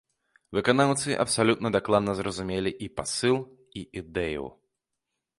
Выканаўцы абсалютна дакладна зразумелі і пасыл, і ідэю.